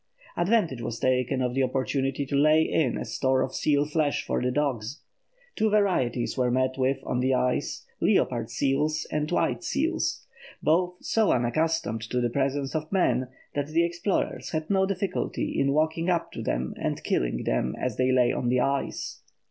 Advantage was taken of the opportunity to lay in a store of seal flesh for the dogs. Two varieties were met with on the ice, leopard seals and white seals, both so unaccustomed to the presence of man that the explorers had no difficulty in walking up to them and killing them as they lay on the ice.